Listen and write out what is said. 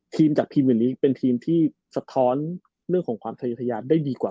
ทีมจากทีมอื่นนี้เป็นทีมที่สะท้อนเรื่องของความทะยาทยานได้ดีกว่า